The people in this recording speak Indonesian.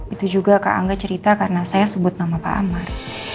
itu juga kak angga cerita karena saya sebut nama pak amar